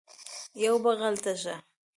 یوه بغل ته شه